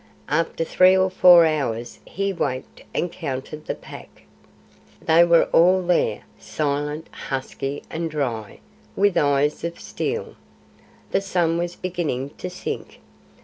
After three or four hours he waked and counted the Pack. They were all there, silent, husky, and dry, with eyes of steel. The sun was beginning to sink.